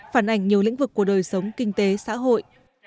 phản ảnh nhiều lĩnh vực của đời sống kinh tế xã hội